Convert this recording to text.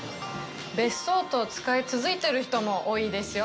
別荘と使い続いてる人も多いですよ。